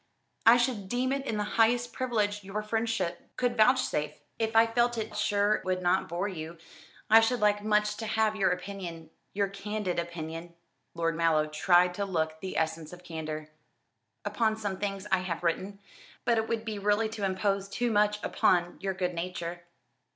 I should deem it the highest privilege your friendship could vouchsafe." "If I felt sure it would not bore you, I should like much to have your opinion, your candid opinion," (Lord Mallow tried to look the essense of candour) "upon some things I have written. But it would be really to impose too much upon your good nature."